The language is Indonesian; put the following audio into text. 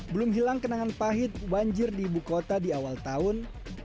belum hilang kenangan pahit banjir di ibu kota di awal tahun